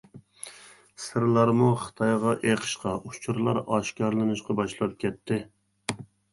سىرلارمۇ خىتايغا ئېقىشقا، ئۇچۇرلار ئاشكارىلىنىشقا باشلاپ كەتتى.